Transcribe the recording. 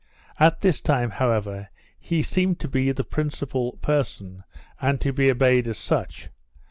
At this time, however, he seemed to be the principal person, and to be obeyed as such.